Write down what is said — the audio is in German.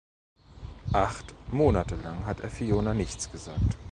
Acht Monate lang hat er Fiona nichts gesagt.